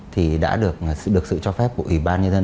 thì đã được sự cho phép của ủy ban nhân dân